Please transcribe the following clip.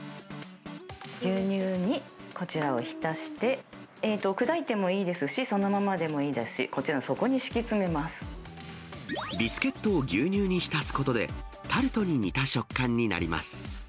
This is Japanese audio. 牛乳にこちらを浸して、砕いてもいいですし、そのままでもいいですし、ビスケットを牛乳に浸すことで、タルトに似た食感になります。